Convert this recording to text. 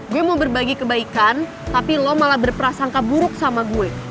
gue mau berbagi kebaikan tapi lo malah berprasangka buruk sama gue